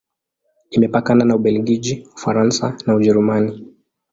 Imepakana na Ubelgiji, Ufaransa na Ujerumani.